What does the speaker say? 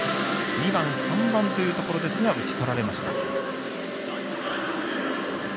２番、３番というところですが打ちとられました。